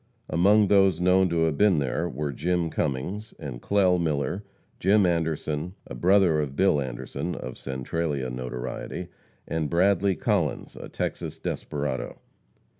Among those known to have been there were Jim Cummings and Clell Miller, Jim Anderson, a brother of Bill Anderson, of Centralia notoriety, and Bradley Collins, a Texas desperado.